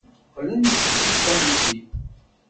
Qqlen-d seg ucanṭi.